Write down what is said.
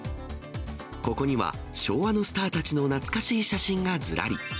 ここには昭和のスターたちの懐かしい写真がずらり。